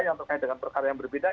yang terkait dengan perkara yang berbeda